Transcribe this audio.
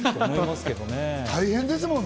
大変ですもんね。